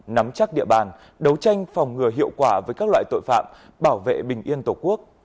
nắm chắc địa bàn đấu tranh phòng ngừa hiệu quả với các loại tội phạm bảo vệ bình yên tổ quốc